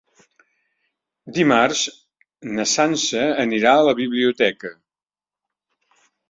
Dimarts na Sança anirà a la biblioteca.